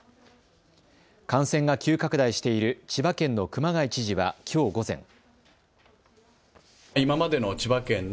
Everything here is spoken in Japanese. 感染が急拡大している千葉県の熊谷知事はきょう午前。